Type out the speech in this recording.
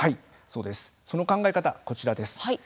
その考え方、こちらです。